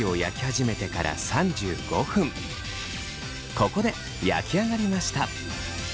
ここで焼き上がりました。